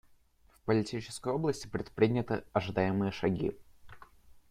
В политической области предприняты ожидаемые шаги.